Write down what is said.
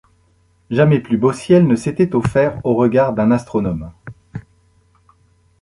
Jamais plus beau ciel ne s’était offert aux regards d’un astronome!